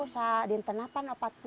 saya diantara empat puluh